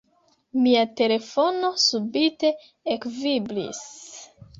Mia telefono subite ekvibris.